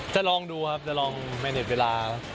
จะลองดูครับแมนเนสเวลา